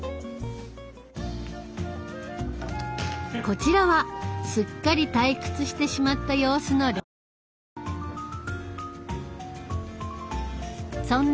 こちらはすっかり退屈してしまった様子の黎くん。